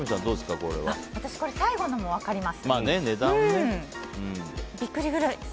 最後のも分かります。